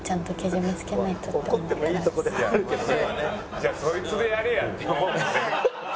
「じゃあそいつでやれや」って思うよね。